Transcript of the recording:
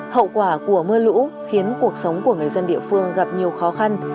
hậu quả của mưa lũ khiến cuộc sống của người dân địa phương gặp nhiều khó khăn